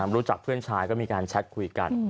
รู้จักเพื่อนชายก็มีการแชทคุยกัน